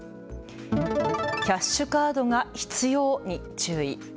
キャッシュカードが必要に注意。